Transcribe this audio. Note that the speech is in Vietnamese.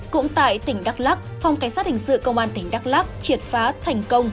cũng tại tỉnh đắk lắc phòng cảnh sát hình sự công an tỉnh đắk lắc triệt phá thành công